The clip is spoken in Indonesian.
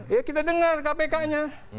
ya kita dengar kpk nya